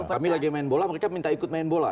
kami lagi main bola mereka minta ikut main bola